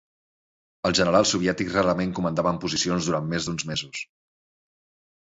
Els generals soviètics rarament comandaven posicions durant més d'uns mesos.